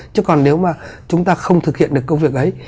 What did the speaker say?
chứ còn nếu mà chúng ta không thực hiện được công việc ấy